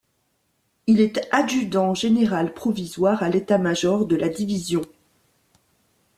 Il est adjudant général provisoire à l'état-major de la division.